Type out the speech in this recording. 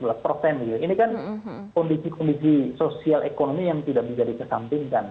ini kan kondisi kondisi sosial ekonomi yang tidak bisa dikesampingkan